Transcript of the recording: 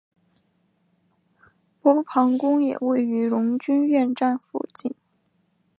波旁宫也位于荣军院站附近。